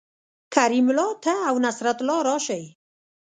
کریم الله ته او نصرت الله راشئ